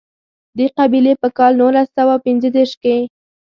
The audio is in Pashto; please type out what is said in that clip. دې قبیلې په کال نولس سوه پېنځه دېرش کې.